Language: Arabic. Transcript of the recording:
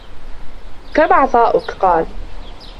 كَمْ عَطَاؤُك ؟ قَالَ